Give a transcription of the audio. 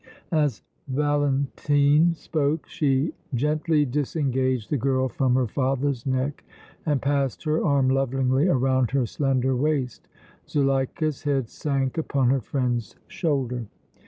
As Valentine spoke she gently disengaged the girl from her father's neck and passed her arm lovingly around her slender waist. Zuleika's head sank upon her friend's shoulder.